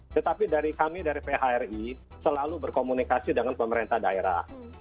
tetapi dari kami dari phri selalu berkomunikasi dengan pemerintah daerah